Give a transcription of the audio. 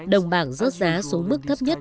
đồng bảng rớt giá xuống mức thấp nhất